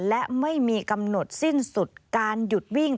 และไม่มีกำหนดสิ้นสุดการหยุดวิ่ง